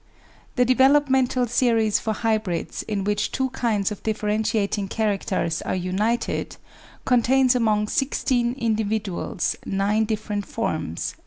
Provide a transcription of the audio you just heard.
The developmental series for hybrids in which two kinds of differentiating characters are united contains, among sixteen individuals, nine different forms, viz.